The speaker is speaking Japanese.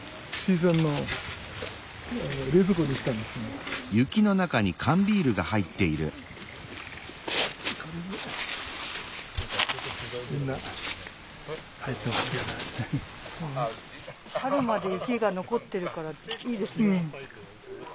春まで雪が残ってるからいいですね。